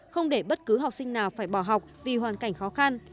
không để bất cứ học sinh nào phải bỏ học vì hoàn cảnh khó khăn